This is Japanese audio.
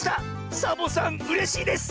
サボさんうれしいです！